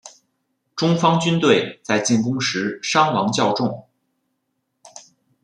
中方军队在进攻时伤亡较重。